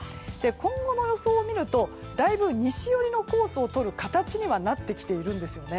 今後の予想を見るとだいぶ西寄りのコースを取る形になっているんですよね。